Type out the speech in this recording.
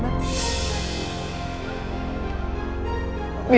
hebat ya lo mbak